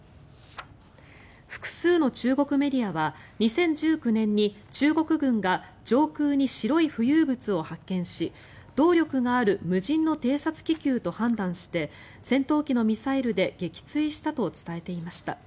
複数の中国メディアは２０１９年に中国軍が上空に白い浮遊物を発見し動力がある無人の偵察気球と判断して戦闘機のミサイルで撃墜したと伝えていました。